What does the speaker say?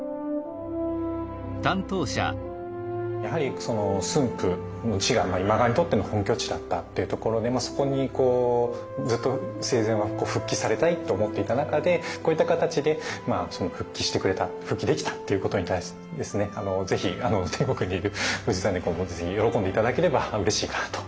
やはり駿府の地が今川にとっての本拠地だったっていうところでそこにずっと生前は復帰されたいと思っていた中でこういった形で復帰してくれた復帰できたっていうことに対してぜひ天国にいる氏真公も喜んで頂ければうれしいかなと思います。